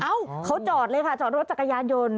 เขาจอดเลยค่ะจอดรถจักรยานยนต์